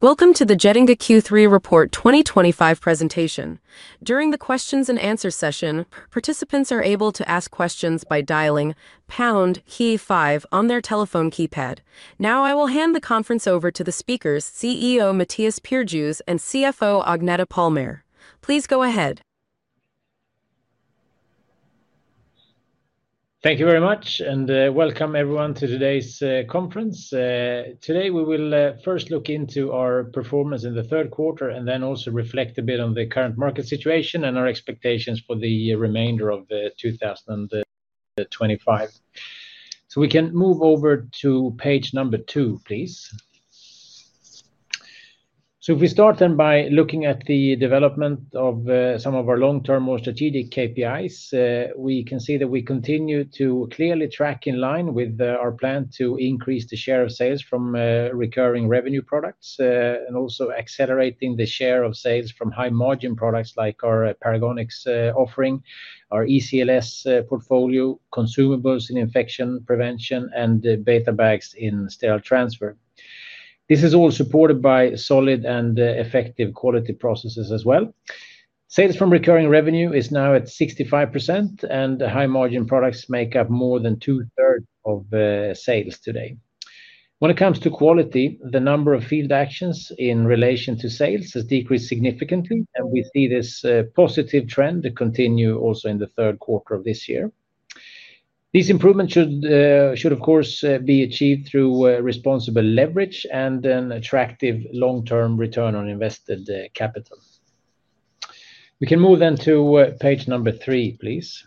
Welcome to the Getinge Q3 Report 2025 presentation. During the questions and answers session, participants are able to ask questions by dialling pound key five on their telephone keypad. Now, I will hand the conference over to the speakers, CEO Mattias Perjos and CFO Agneta Palmér. Please go ahead. Thank you very much, and welcome everyone to today's conference. Today, we will first look into our performance in the third quarter and then also reflect a bit on the current market situation and our expectations for the remainder of 2025. We can move over to page number two, please. If we start then by looking at the development of some of our long-term more strategic KPIs, we can see that we continue to clearly track in line with our plan to increase the share of sales from recurring revenue products and also accelerating the share of sales from high-margin products like our Paragonix offering, our ECLS portfolio, consumables in infection prevention, and beta bags in sterile transfer. This is all supported by solid and effective quality processes as well. Sales from recurring revenue is now at 65%, and high-margin products make up more than two-thirds of sales today. When it comes to quality, the number of field actions in relation to sales has decreased significantly, and we see this positive trend continue also in the third quarter of this year. These improvements should, of course, be achieved through responsible leverage and an attractive long-term return on invested capital. We can move then to page number three, please.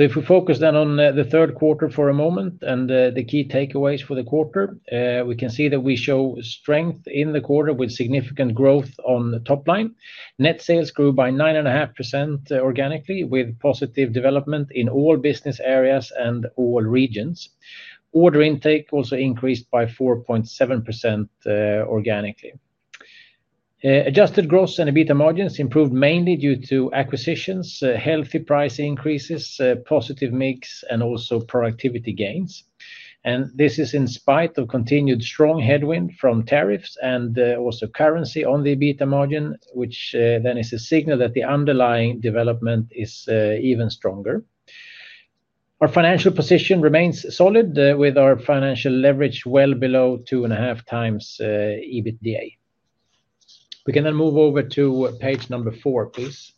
If we focus then on the third quarter for a moment and the key takeaways for the quarter, we can see that we show strength in the quarter with significant growth on the top line. Net sales grew by 9.5% organically with positive development in all business areas and all regions. Order intake also increased by 4.7% organically. Adjusted gross and EBITDA margins improved mainly due to acquisitions, healthy price increases, positive mix, and also productivity gains. This is in spite of continued strong headwind from tariffs and also currency on the EBITDA margin, which then is a signal that the underlying development is even stronger. Our financial position remains solid with our financial leverage well below 2.5x EBITDA. We can then move over to page number four, please.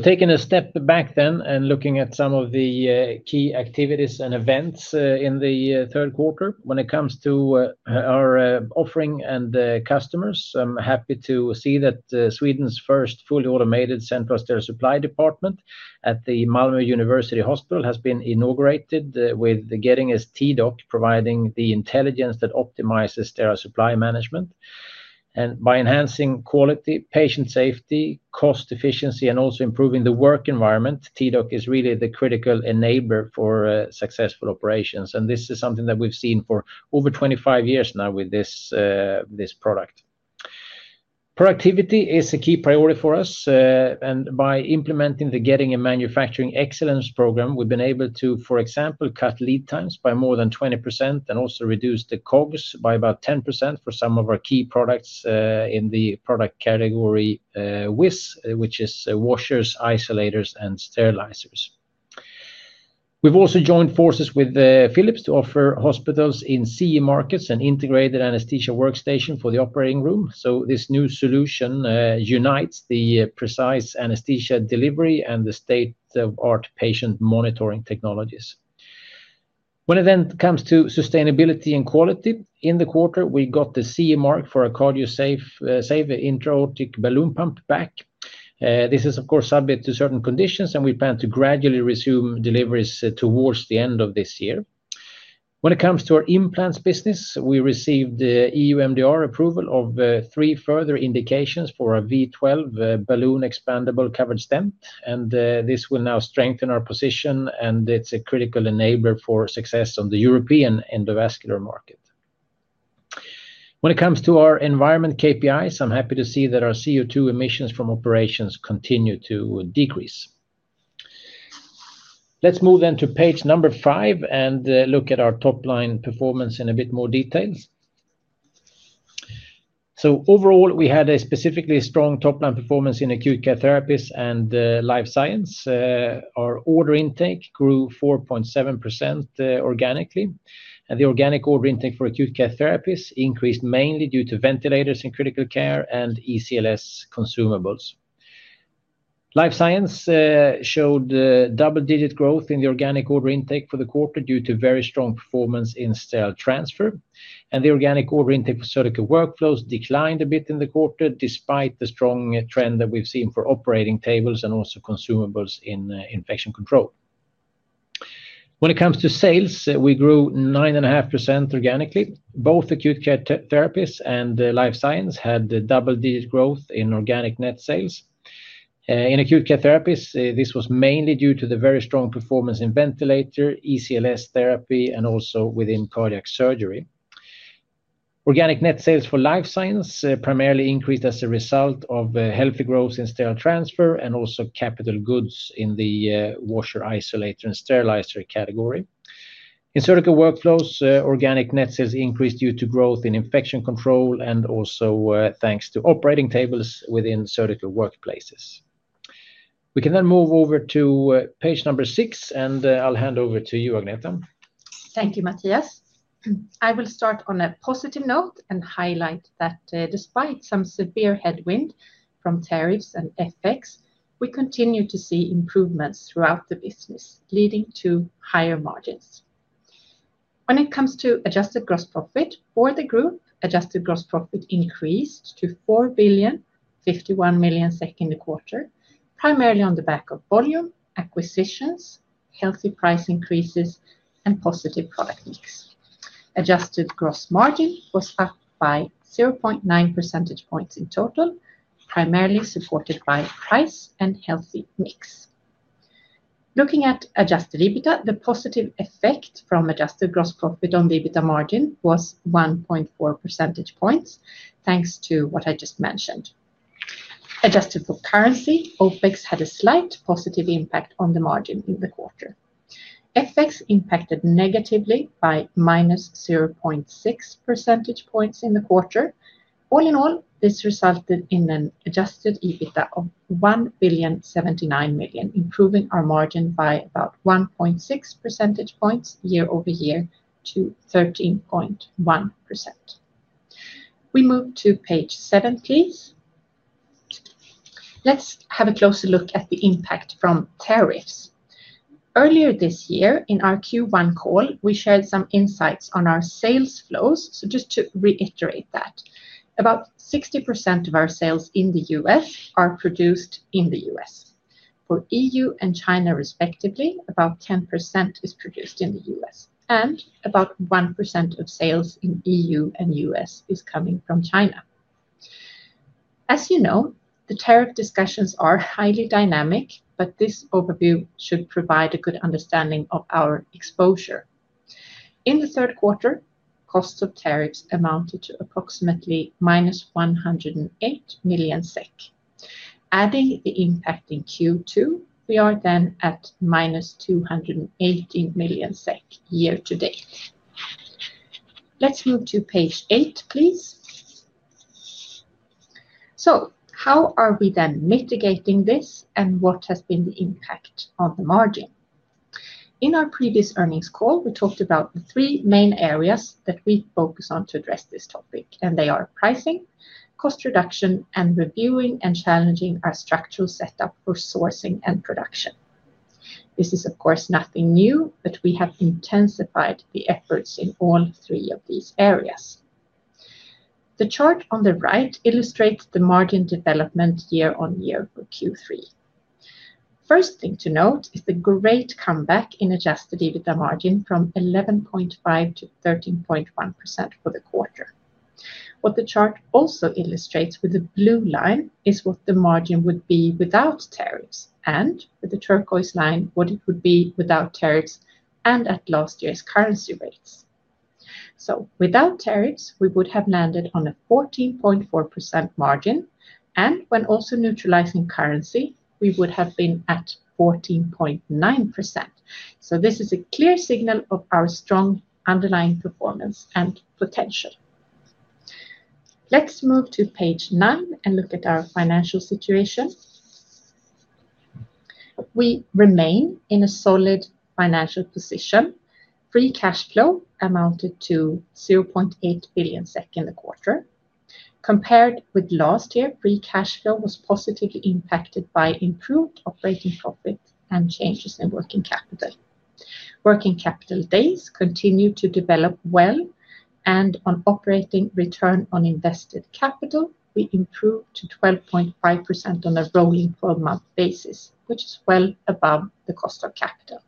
Taking a step back then and looking at some of the key activities and events in the third quarter, when it comes to our offering and customers, I'm happy to see that Sweden's first fully automated central sterile supply department at the Malmö University Hospital has been inaugurated with Getinge's T-DOC providing the intelligence that optimizes sterile supply management. By enhancing quality, patient safety, cost efficiency, and also improving the work environment, T-DOC is really the critical enabler for successful operations. This is something that we've seen for over 25 years now with this product. Productivity is a key priority for us, and by implementing the Getinge Manufacturing Excellence Program, we've been able to, for example, cut lead times by more than 20% and also reduce the COGs by about 10% for some of our key products in the product category WIS, which is washers, isolators, and sterilizers. We've also joined forces with Philips to offer hospitals in CE markets an integrated anesthesia workstation for the operating room. This new solution unites the precise anesthesia delivery and the state-of-the-art patient monitoring technologies. When it comes to sustainability and quality in the quarter, we got the CE mark for a CardioSave intra-aortic balloon pump back. This is, of course, subject to certain conditions, and we plan to gradually resume deliveries towards the end of this year. When it comes to our implants business, we received EU MDR approval of three further indications for a V12 balloon expandable covered stent, and this will now strengthen our position, and it's a critical enabler for success on the European endovascular market. When it comes to our environment KPIs, I'm happy to see that our CO2 emissions from operations continue to decrease. Let's move then to page number five and look at our top-line performance in a bit more detail. Overall, we had a specifically strong top-line performance in Acute Care Therapies and Life Science. Our order intake grew 4.7% organically, and the organic order intake for Acute Care Therapies increased mainly due to ventilators in critical care and ECLS consumables. Life Science showed double-digit growth in the organic order intake for the quarter due to very strong performance in sterile transfer, and the organic order intake for Surgical Workflows declined a bit in the quarter despite the strong trend that we've seen for operating tables and also consumables in Infection Control. When it comes to sales, we grew 9.5% organically. Both Acute Care Therapies and Life Science had double-digit growth in organic net sales. In Acute Care Therapies, this was mainly due to the very strong performance in ventilator, ECLS therapy, and also within cardiac surgery. Organic net sales for Life Science primarily increased as a result of healthy growth in sterile transfer and also capital goods in the washer, isolator, and sterilizer category. In Surgical Workflows, organic net sales increased due to growth in Infection Control and also thanks to operating tables within surgical workplaces. We can then move over to page number six, and I'll hand over to you, Agneta. Thank you, Mattias. I will start on a positive note and highlight that despite some severe headwind from tariffs and FX, we continue to see improvements throughout the business, leading to higher margins. When it comes to adjusted gross profit for the group, adjusted gross profit increased to 4,051 million in the second quarter, primarily on the back of volume, acquisitions, healthy price increases, and positive product mix. Adjusted gross margin was up by 0.9 percentage points in total, primarily supported by price and healthy mix. Looking at adjusted EBITDA, the positive effect from adjusted gross profit on EBITDA margin was 1.4 percentage points, thanks to what I just mentioned. Adjusted for currency, OpEx had a slight positive impact on the margin in the quarter. FX impacted negatively by -0.6 percentage points in the quarter. All in all, this resulted in an adjusted EBITDA of 1,079 million, improving our margin by about 1.6 percentage points year-over-year to 13.1%. We move to page seven, please. Let's have a closer look at the impact from tariffs. Earlier this year in our Q1 call, we shared some insights on our sales flows. Just to reiterate that, about 60% of our sales in the U.S. are produced in the U.S. For EU and China respectively, about 10% is produced in the U.S., and about 1% of sales in EU and U.S. is coming from China. As you know, the tariff discussions are highly dynamic, but this overview should provide a good understanding of our exposure. In the third quarter, costs of tariffs amounted to approximately -108 million SEK. Adding the impact in Q2, we are then at -218 million SEK year to date. Let's move to page eight, please. How are we then mitigating this, and what has been the impact on the margin? In our previous earnings call, we talked about the three main areas that we focus on to address this topic, and they are pricing, cost reduction, and reviewing and challenging our structural setup for sourcing and production. This is, of course, nothing new, but we have intensified the efforts in all three of these areas. The chart on the right illustrates the margin development year on year for Q3. The first thing to note is the great comeback in adjusted EBITDA margin from 11.5%-13.1% for the quarter. What the chart also illustrates with the blue line is what the margin would be without tariffs, and with the turquoise line, what it would be without tariffs and at last year's currency rates. Without tariffs, we would have landed on a 14.4% margin, and when also neutralizing currency, we would have been at 14.9%. This is a clear signal of our strong underlying performance and potential. Let's move to page nine and look at our financial situation. We remain in a solid financial position. Free cash flow amounted to 0.8 billion SEK in the quarter. Compared with last year, free cash flow was positively impacted by improved operating profits and changes in working capital. Working capital days continue to develop well, and on operating return on invested capital, we improved to 12.5% on a rolling 12-month basis, which is well above the cost of capital.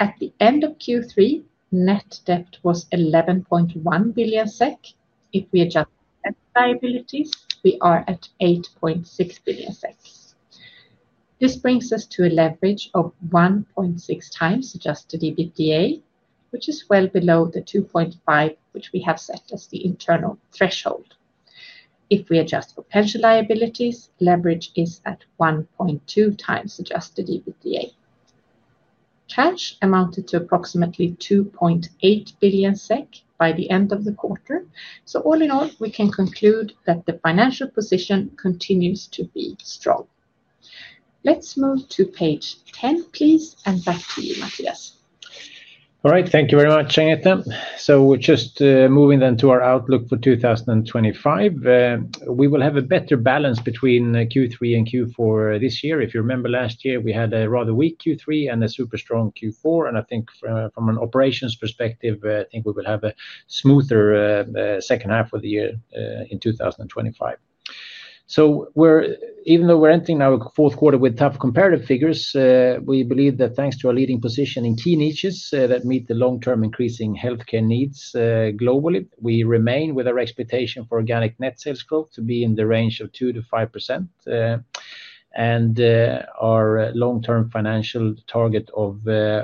At the end of Q3, net debt was 11.1 billion SEK. If we adjust for debt liabilities, we are at 8.6 billion SEK. This brings us to a leverage of 1.6x adjusted EBITDA, which is well below the 2.5% which we have set as the internal threshold. If we adjust for pension liabilities, leverage is at 1.2x adjusted EBITDA. Cash amounted to approximately 2.8 billion SEK by the end of the quarter. All in all, we can conclude that the financial position continues to be strong. Let's move to page 10, please, and back to you, Mattias. All right, thank you very much, Agneta. We're just moving then to our outlook for 2025. We will have a better balance between Q3 and Q4 this year. If you remember last year, we had a rather weak Q3 and a super strong Q4, and I think from an operations perspective, we will have a smoother second half of the year in 2025. Even though we're entering now a fourth quarter with tough comparative figures, we believe that thanks to our leading position in key niches that meet the long-term increasing healthcare needs globally, we remain with our expectation for organic net sales growth to be in the range of 2%-5%, and our long-term financial target of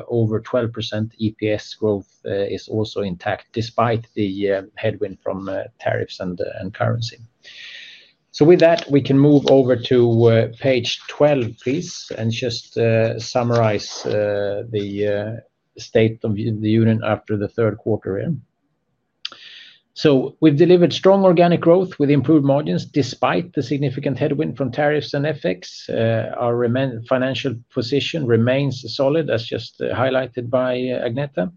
over 12% EPS growth is also intact despite the headwind from tariffs and currency. With that, we can move over to page 12, please, and just summarize the state of the union after the third quarter here. We've delivered strong organic growth with improved margins despite the significant headwind from tariffs and FX. Our financial position remains solid, as just highlighted by Agneta,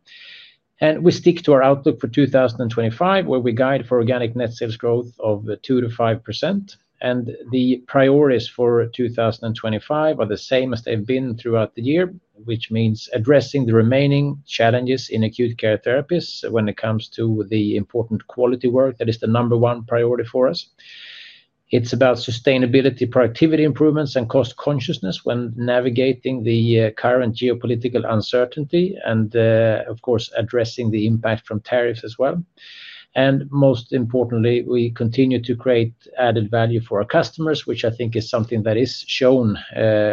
and we stick to our outlook for 2025 where we guide for organic net sales growth of 2%-5%, and the priorities for 2025 are the same as they've been throughout the year, which means addressing the remaining challenges in Acute Care Therapies when it comes to the important quality work that is the number one priority for us. It's about sustainability, productivity improvements, and cost consciousness when navigating the current geopolitical uncertainty, and of course, addressing the impact from tariffs as well. Most importantly, we continue to create added value for our customers, which I think is something that is shown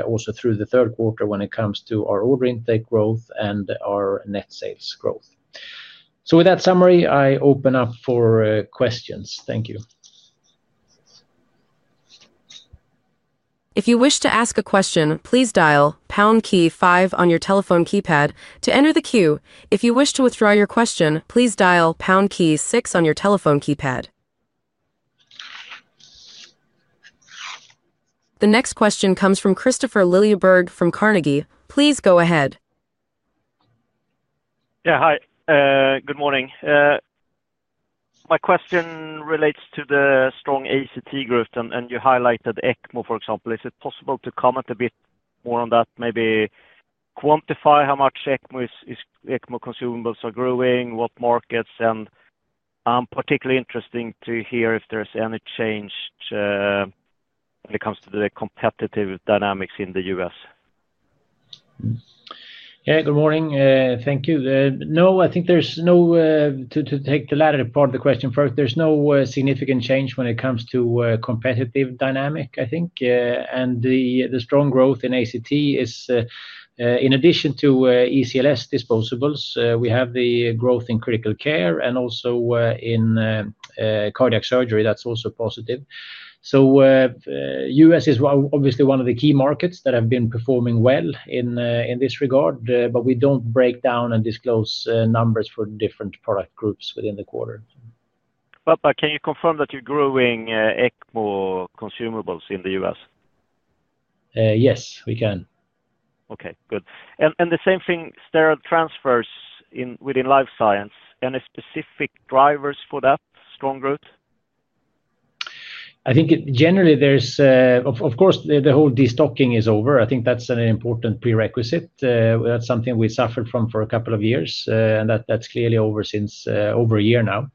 also through the third quarter when it comes to our order intake growth and our net sales growth. With that summary, I open up for questions. Thank you. If you wish to ask a question, please dial pound key five on your telephone keypad to enter the queue. If you wish to withdraw your question, please dial pound key six on your telephone keypad. The next question comes from Kristofer Liljeberg from Carnegie Investment Bank. Please go ahead. Yeah, hi. Good morning. My question relates to the strong ACT growth, and you highlighted ECMO, for example. Is it possible to comment a bit more on that? Maybe quantify how much ECMO consumables are growing, what markets, and I'm particularly interested to hear if there's any change when it comes to the competitive dynamics in the U.S. Yeah, good morning. Thank you. No, I think there's no, to take the latter part of the question first, there's no significant change when it comes to competitive dynamic, I think. The strong growth in ACT is, in addition to ECLS consumables, we have the growth in critical care and also in cardiac surgery. That's also positive. U.S. is obviously one of the key markets that have been performing well in this regard, but we don't break down and disclose numbers for different product groups within the quarter. Can you confirm that you're growing ECLS consumables in the U.S.? Yes, we can. Okay, good. The same thing, sterile transfer within Life Science, any specific drivers for that strong growth? I think generally there's, of course, the whole destocking is over. I think that's an important prerequisite. That's something we suffered from for a couple of years, and that's clearly over since over a year now.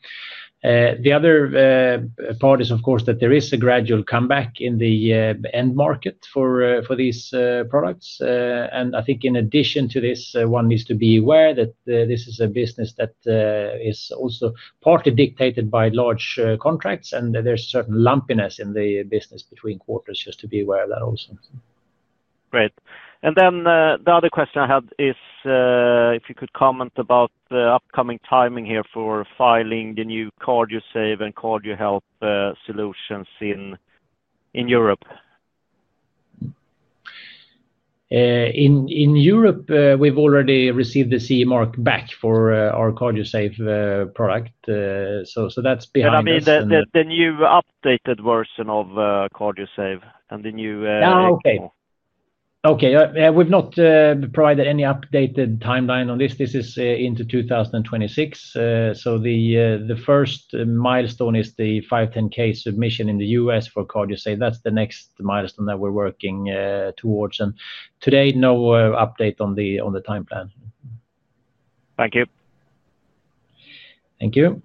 The other part is, of course, that there is a gradual comeback in the end market for these products. I think in addition to this, one needs to be aware that this is a business that is also partly dictated by large contracts, and there's a certain lumpiness in the business between quarters, just to be aware of that also. Great. The other question I had is if you could comment about the upcoming timing here for filing the new CardioSave and CardioHelp solutions in Europe. In Europe, we've already received the CE mark back for our CardioSave product. That's behind us. You mean the new updated version of CardioSave and the new. Okay. Yeah. Okay. We've not provided any updated timeline on this. This is into 2026. The first milestone is the 510(k) submission in the U.S. for CardioSave. That's the next milestone that we're working towards. Today, no update on the timeline. Thank you. Thank you.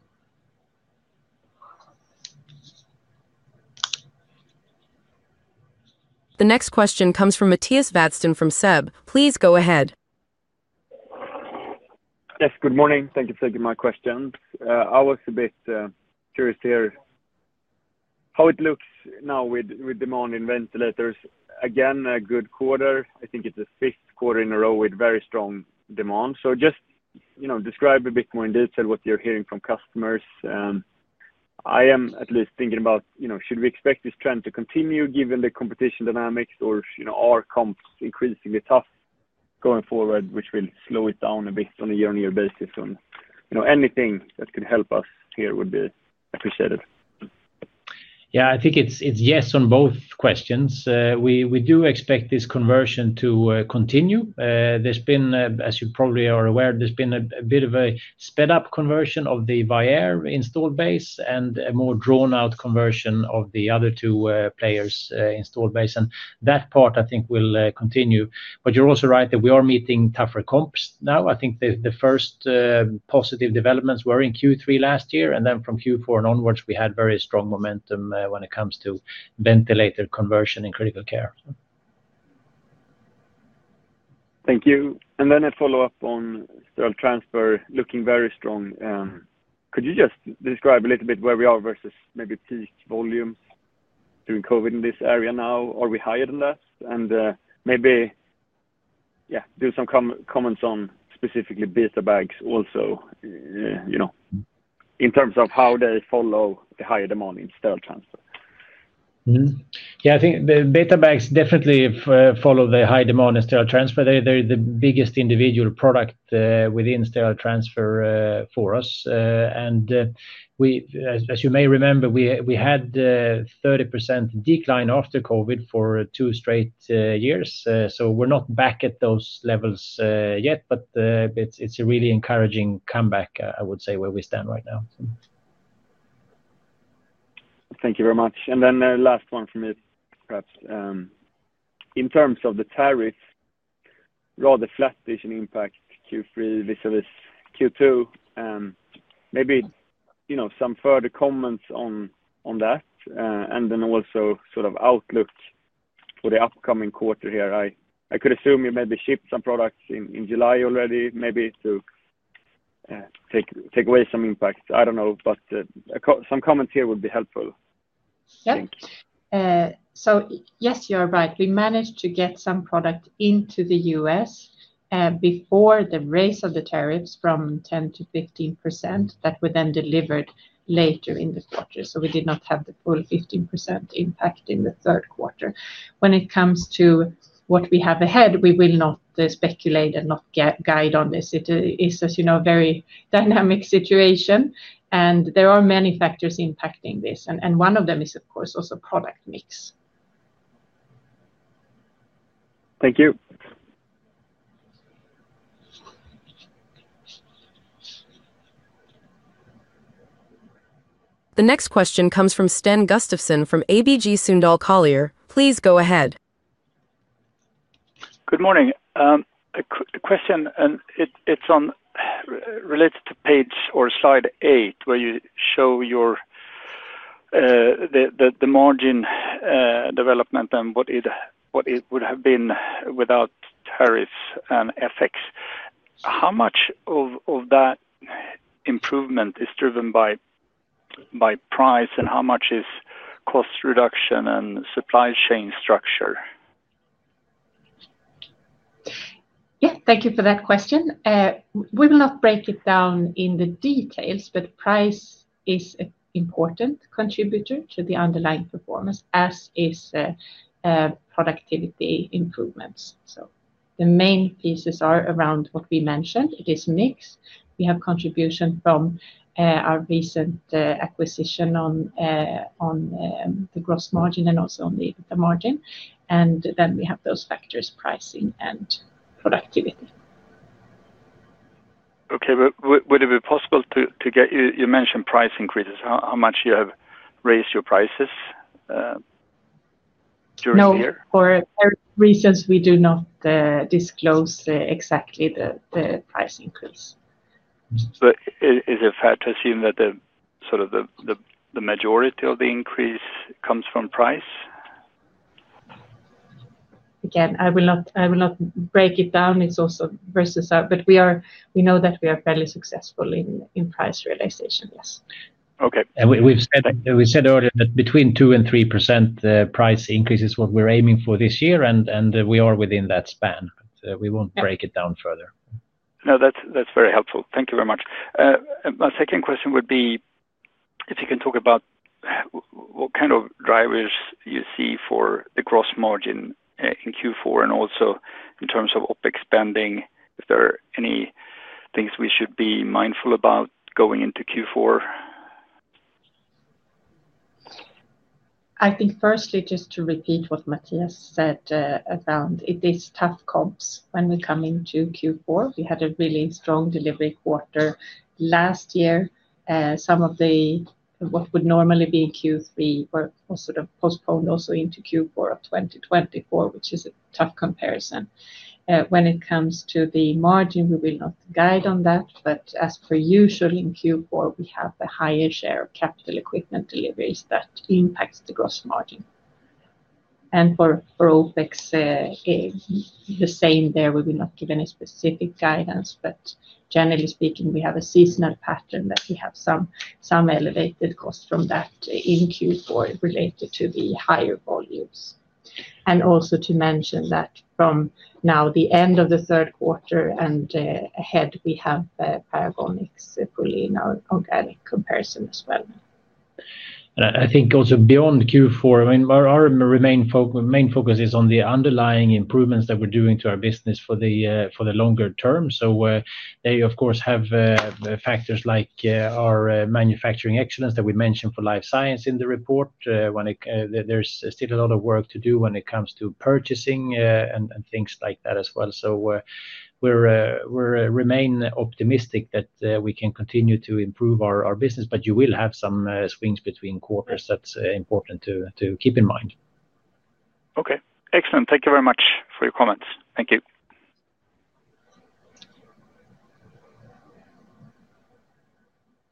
The next question comes from Mattias Vadsten from SEB. Please go ahead. Yes, good morning. Thank you for taking my question. I was a bit curious to hear how it looks now with demand in ventilators. Again, a good quarter. I think it's the fifth quarter in a row with very strong demand. Please describe a bit more in detail what you're hearing from customers. I am at least thinking about, should we expect this trend to continue given the competition dynamics, or are comps increasingly tough going forward, which will slow it down a bit on a year-on-year basis? Anything that could help us here would be appreciated. Yeah, I think it's yes on both questions. We do expect this conversion to continue. As you probably are aware, there's been a bit of a sped-up conversion of the Vyaire install base and a more drawn-out conversion of the other two players' install base. That part, I think, will continue. You're also right that we are meeting tougher comps now. I think the first positive developments were in Q3 last year, and from Q4 and onwards, we had very strong momentum when it comes to ventilator conversion in critical care. Thank you. A follow-up on sterile transfer looking very strong. Could you just describe a little bit where we are versus maybe peak volumes during COVID in this area now? Are we higher than that? Maybe, yeah, do some comments on specifically beta bags also, you know, in terms of how they follow the higher demand in sterile transfer. Yeah, I think the beta bags definitely follow the high demand in sterile transfer. They're the biggest individual product within sterile transfer for us. As you may remember, we had a 30% decline after COVID for two straight years. We're not back at those levels yet, but it's a really encouraging comeback, I would say, where we stand right now. Thank you very much. The last one from you, perhaps. In terms of the tariffs, rather flat vision impact Q3 versus Q2. Maybe, you know, some further comments on that and also sort of outlook for the upcoming quarter here. I could assume you maybe shipped some products in July already, maybe to take away some impact. I don't know, but some comments here would be helpful. Yes, you are right. We managed to get some product into the U.S. before the raise of the tariffs from 10%-15% that were then delivered later in the quarter. We did not have the full 15% impact in the third quarter. When it comes to what we have ahead, we will not speculate and not guide on this. It is, as you know, a very dynamic situation, and there are many factors impacting this. One of them is, of course, also product mix. Thank you. The next question comes from Sten Gustafsson from ABG Sundal Collier. Please go ahead. Good morning. A question, and it's related to page or slide eight where you show the margin development and what it would have been without tariffs and FX. How much of that improvement is driven by price, and how much is cost reduction and supply chain structure? Yeah, thank you for that question. We will not break it down in the details, but price is an important contributor to the underlying performance, as is productivity EBITDA improvements. The main pieces are around what we mentioned. It is a mix. We have contribution from our recent acquisition on the gross margin and also on the EBITDA margin. Then we have those factors, pricing and productivity. Okay, would it be possible to get, you mentioned price increases, how much you have raised your prices during the year? No, for reasons we do not disclose exactly the price increase. Is it fair to assume that the sort of the majority of the increase comes from price? Again, I will not break it down. It's also versus that, but we know that we are fairly successful in price realization, yes. Okay. We've said earlier that between 2% and 3% price increase is what we're aiming for this year, and we are within that span, but we won't break it down further. No, that's very helpful. Thank you very much. My second question would be if you can talk about what kind of drivers you see for the gross margin in Q4 and also in terms of OpEx spending, if there are any things we should be mindful about going into Q4. I think firstly, just to repeat what Mattias said about it is tough comps when we come into Q4. We had a really strong delivery quarter last year. Some of what would normally be in Q3 were sort of postponed also into Q4 of 2023, which is a tough comparison. When it comes to the margin, we will not guide on that, but as per usual in Q4, we have a higher share of capital equipment deliveries that impacts the gross margin. For OpEx, the same there. We will not give any specific guidance, but generally speaking, we have a seasonal pattern that we have some elevated costs from that in Q4 related to the higher volumes. Also to mention that from now, the end of the third quarter and ahead, we have Paragonix fully in our organic comparison as well. I think also beyond Q4, our main focus is on the underlying improvements that we're doing to our business for the longer term. They, of course, have factors like our Manufacturing Excellence that we mentioned for Life Science in the report. There's still a lot of work to do when it comes to purchasing and things like that as well. We remain optimistic that we can continue to improve our business, but you will have some swings between quarters. That's important to keep in mind. Okay, excellent. Thank you very much for your comments. Thank you.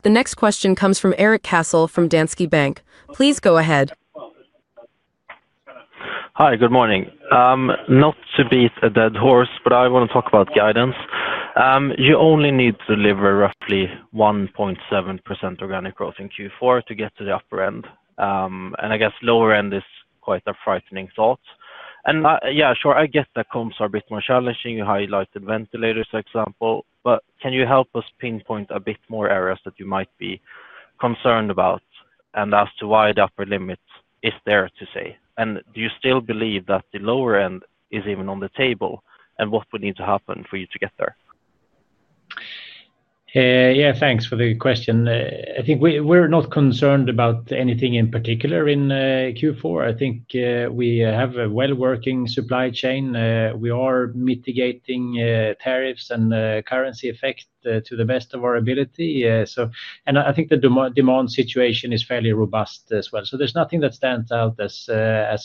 The next question comes from Erik Cassel from Danske Bank. Please go ahead. Hi, good morning. Not to beat a dead horse, but I want to talk about guidance. You only need to deliver roughly 1.7% organic growth in Q4 to get to the upper end. I guess lower end is quite a frightening thought. Yeah, sure, I get that comps are a bit more challenging. You highlighted ventilators, for example, but can you help us pinpoint a bit more areas that you might be concerned about and as to why the upper limit is there, to say? Do you still believe that the lower end is even on the table and what would need to happen for you to get there? Yeah, thanks for the question. I think we're not concerned about anything in particular in Q4. I think we have a well-working supply chain. We are mitigating tariffs and currency effect to the best of our ability. I think the demand situation is fairly robust as well. There's nothing that stands out as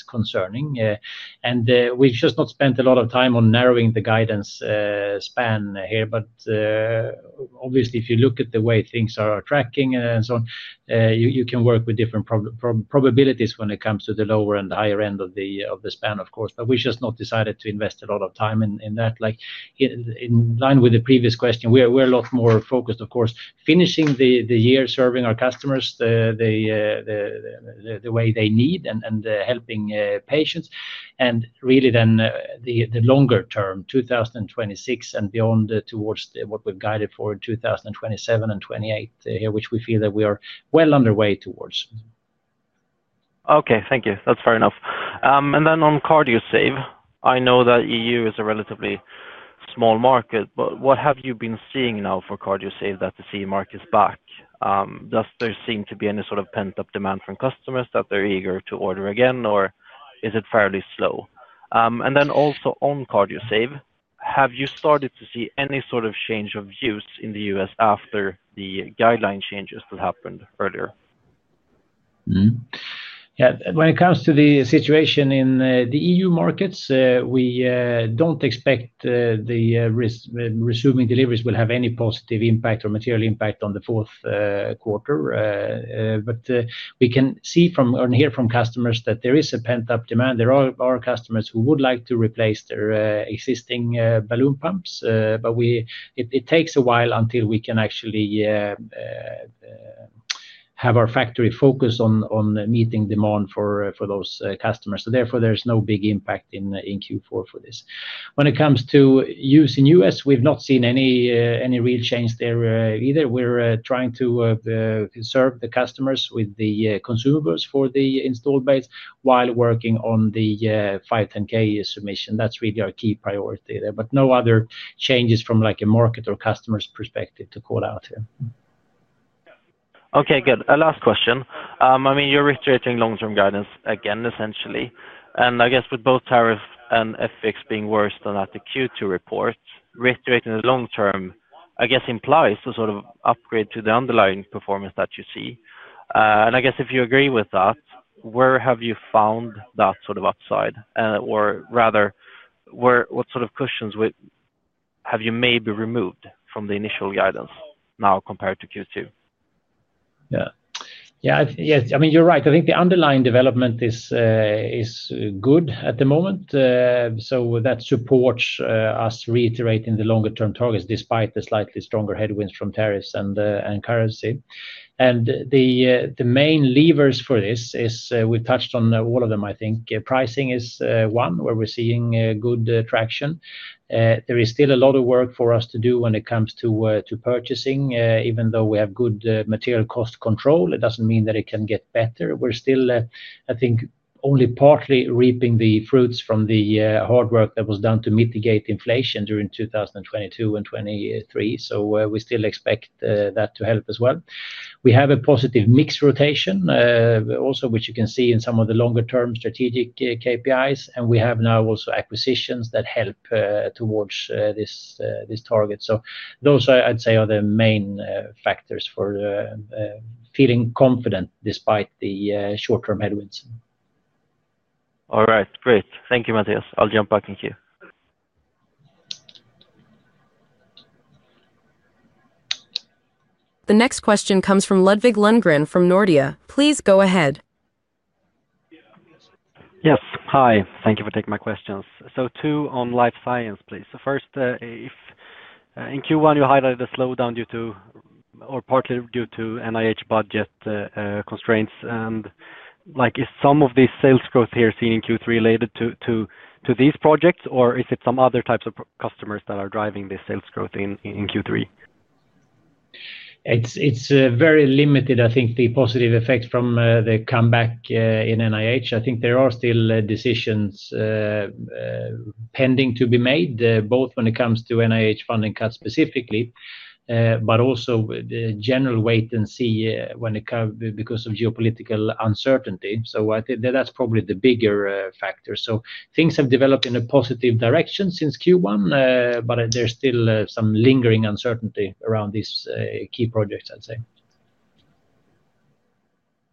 concerning. We've just not spent a lot of time on narrowing the guidance span here, but obviously, if you look at the way things are tracking and so on, you can work with different probabilities when it comes to the lower and the higher end of the span, of course. We've just not decided to invest a lot of time in that. In line with the previous question, we're a lot more focused, of course, finishing the year, serving our customers the way they need and helping patients. Really then the longer term, 2026 and beyond, towards what we've guided for in 2027 and 2028 here, which we feel that we are well underway towards. Okay, thank you. That's fair enough. On CardioSave, I know that EU is a relatively small market, but what have you been seeing now for CardioSave that the CE mark is back? Does there seem to be any sort of pent-up demand from customers that they're eager to order again, or is it fairly slow? Also, on CardioSave, have you started to see any sort of change of use in the U.S. after the guideline changes that happened earlier? Yeah, when it comes to the situation in the EU markets, we don't expect the risk resuming deliveries will have any positive impact or material impact on the fourth quarter. We can see from and hear from customers that there is a pent-up demand. There are customers who would like to replace their existing balloon pumps, but it takes a while until we can actually have our factory focus on meeting demand for those customers. Therefore, there's no big impact in Q4 for this. When it comes to use in the U.S., we've not seen any real change there either. We're trying to serve the customers with the consumables for the install base while working on the 510(k) submission. That's really our key priority there, but no other changes from like a market or customer's perspective to call out here. Okay, good. A last question. I mean, you're reiterating long-term guidance again, essentially. I guess with both tariff and FX being worse than at the Q2 report, reiterating the long term, I guess, implies the sort of upgrade to the underlying performance that you see. I guess if you agree with that, where have you found that sort of upside? Rather, what sort of cushions have you maybe removed from the initial guidance now compared to Q2? Yeah, I mean, you're right. I think the underlying development is good at the moment. That supports us reiterating the longer-term targets despite the slightly stronger headwinds from tariffs and currency. The main levers for this are, we touched on all of them, I think. Pricing is one where we're seeing good traction. There is still a lot of work for us to do when it comes to purchasing. Even though we have good material cost control, it doesn't mean that it can't get better. We're still, I think, only partly reaping the fruits from the hard work that was done to mitigate inflation during 2022 and 2023. We still expect that to help as well. We have a positive mix rotation also, which you can see in some of the longer-term strategic KPIs. We have now also acquisitions that help towards this target. Those, I'd say, are the main factors for feeling confident despite the short-term headwinds. All right, great. Thank you, Mattias. I'll jump back into you. The next question comes from Ludvig Lundgren from Nordea. Please go ahead. Yes, hi. Thank you for taking my questions. Two on Life Science, please. First, if in Q1 you highlighted a slowdown due to or partly due to NIH budget constraints, is some of this sales growth here seen in Q3 related to these projects, or is it some other types of customers that are driving this sales growth in Q3? It's very limited, I think, the positive effects from the comeback in NIH. I think there are still decisions pending to be made, both when it comes to NIH funding cuts specifically, but also the general wait and see because of geopolitical uncertainty. I think that's probably the bigger factor. Things have developed in a positive direction since Q1, but there's still some lingering uncertainty around these key projects, I'd say.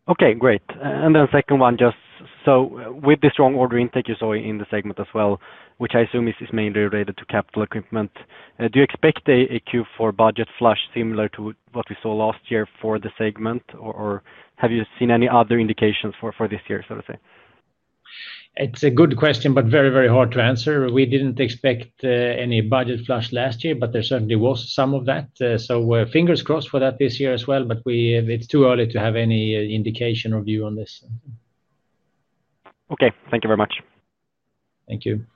Okay, great. Then second one, just so with the strong order intake you saw in the segment as well, which I assume is mainly related to capital equipment, do you expect a Q4 budget flush similar to what we saw last year for the segment, or have you seen any other indications for this year, so to say? It's a good question, but very, very hard to answer. We didn't expect any budget flush last year, but there certainly was some of that. Fingers crossed for that this year as well, but it's too early to have any indication or view on this. Okay, thank you very much. Thank you.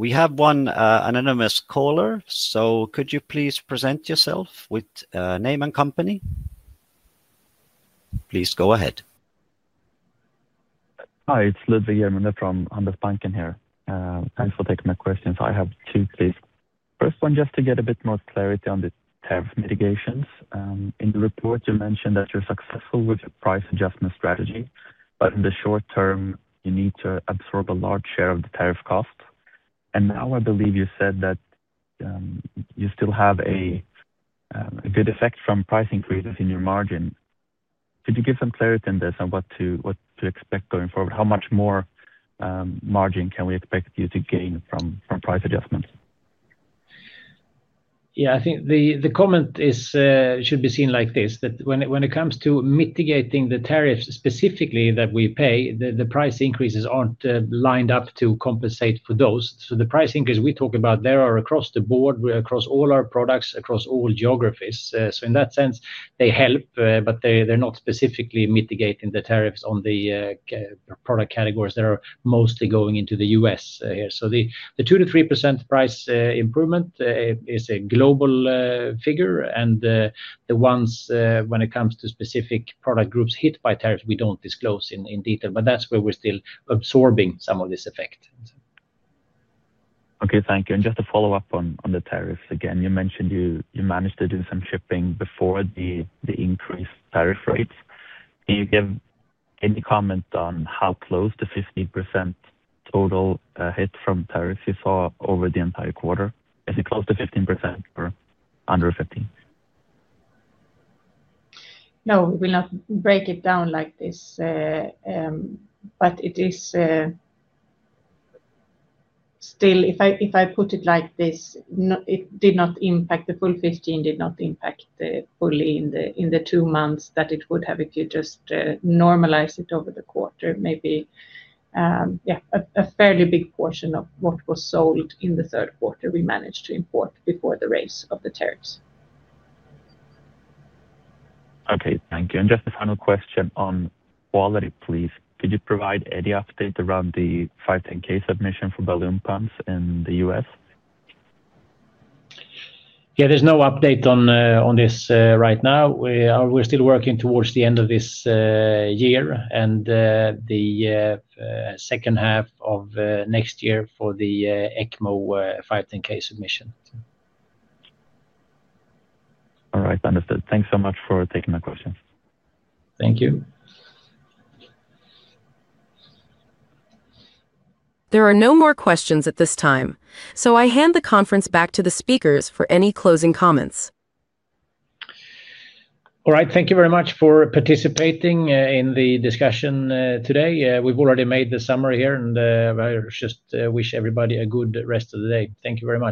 We have one anonymous caller. Could you please present yourself with name and company? Please go ahead. Hi, it's Ludvig from Handelsbanken here. Thanks for taking my questions. I have two, please. First one, just to get a bit more clarity on the tariff mitigations. In the report, you mentioned that you're successful with your price adjustment strategy, but in the short term, you need to absorb a large share of the tariff costs. I believe you said that you still have a good effect from price increases in your margin. Could you give some clarity on this and what to expect going forward? How much more margin can we expect you to gain from price adjustments? Yeah, I think the comment should be seen like this, that when it comes to mitigating the tariffs specifically that we pay, the price increases aren't lined up to compensate for those. The price increases we talk about, they are across the board, across all our products, across all geographies. In that sense, they help, but they're not specifically mitigating the tariffs on the product categories that are mostly going into the U.S. here. The 2%-3% price improvement is a global figure, and the ones when it comes to specific product groups hit by tariffs, we don't disclose in detail, but that's where we're still absorbing some of this effect. Okay, thank you. Just to follow up on the tariffs, again, you mentioned you managed to do some shipping before the increased tariff rates. Can you give any comment on how close the 15% total hit from tariffs you saw over the entire quarter? Is it close to 15% or under 15%? No, we will not break it down like this, but it is still, if I put it like this, it did not impact the full 15, did not impact fully in the two months that it would have if you just normalized it over the quarter. Maybe a fairly big portion of what was sold in the third quarter we managed to import before the raise of the tariffs. Okay, thank you. Just a final question on quality, please. Could you provide any update around the 510(k) submission for balloon pumps in the U.S.? Yeah, there's no update on this right now. We're still working towards the end of this year and the second half of next year for the ECMO 510(k) submission. All right, understood. Thanks so much for taking my questions. Thank you. There are no more questions at this time. I hand the conference back to the speakers for any closing comments. All right, thank you very much for participating in the discussion today. We've already made the summary here, and I just wish everybody a good rest of the day. Thank you very much.